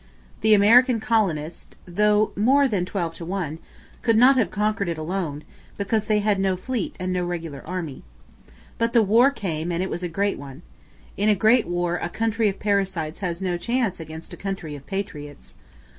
The American colonists, though more than twelve to one, could not have conquered it alone, because they had no fleet and no regular army. But the war came, and it was a great one. In a great war a country of parasites has no chance against a country of patriots.